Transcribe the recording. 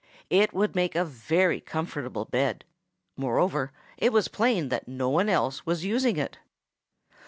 It would make a very comfortable bed. Moreover, it was plain that no one else was using it.